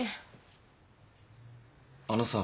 あのさ。